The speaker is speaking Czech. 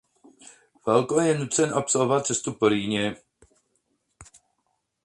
Falco je tedy nucen absolvovat cestu po Rýně.